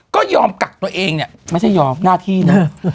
ก็ยอมกักตัวเองไม่ใช่ยอมหน้าที่รึเปล่า